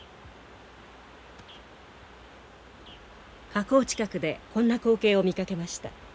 河口近くでこんな光景を見かけました。